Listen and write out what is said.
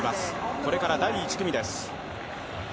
これから第１組です。